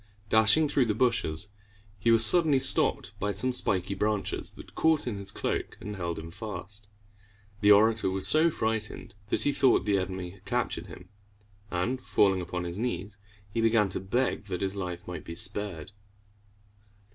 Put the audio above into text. Dashing through the bushes, he was suddenly stopped by some spiky branches that caught in his cloak and held him fast. The orator was so frightened that he thought the enemy had captured him, and, falling upon his knees, he began to beg that his life might be spared.